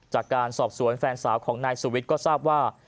จากการสอบสวนแฟนสาวของนายสุวิทย์ก็ทราบว่า